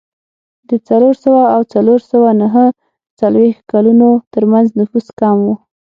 د څلور سوه او څلور سوه نهه څلوېښت کلونو ترمنځ نفوس کم و.